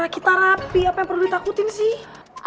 kita rapi apa yang perlu ditakutin sih